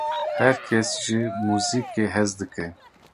Her kes ji muzîkê hez dike?